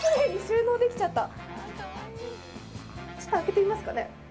ちょっと開けてみますかね。